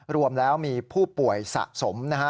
รวมแล้วมีผู้ป่วยสะสมนะฮะ